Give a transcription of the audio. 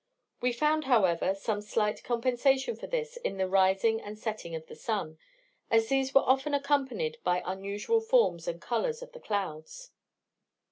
We found, however, some slight compensation for this in the rising and setting of the sun, as these were often accompanied by unusual forms and colours of the clouds.